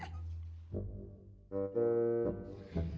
murah banget sih